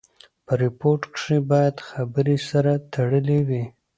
په ریپورټ کښي باید خبري سره تړلې وي.